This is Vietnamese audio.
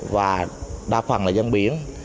và đa phần là dân biển